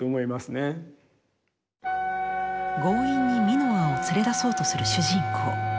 強引にミノアを連れだそうとする主人公。